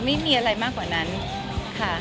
ไม่มีอะไรมากกว่านั้นค่ะ